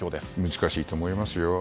難しいと思いますよ。